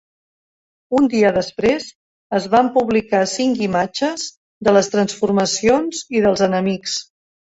Un dia després es van publicar cinc imatges de les transformacions i dels enemics.